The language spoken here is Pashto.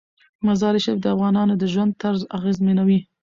مزارشریف د افغانانو د ژوند طرز اغېزمنوي.